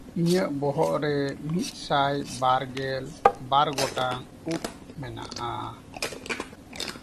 ᱤᱧᱟᱜ ᱵᱚᱦᱚᱜ ᱨᱮ ᱢᱤᱫᱥᱟᱭ ᱵᱟᱨᱜᱮᱞ ᱵᱟᱨ ᱜᱚᱴᱟᱝ ᱩᱵ ᱢᱮᱱᱟᱜᱼᱟ᱾